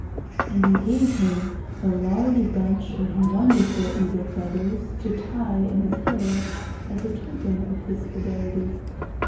And he gave him a large bunch of wonderful eagle feathers to tie in his hair as a token of his fidelity.